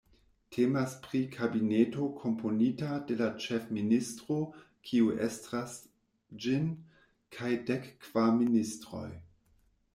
Temas pri kabineto komponita de la Ĉefministro, kiu estras ĝin, kaj dekkvar ministroj.